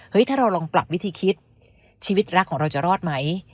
ถ้าเราลองปรับวิธีคิดชีวิตรักของเราจะรอดไหม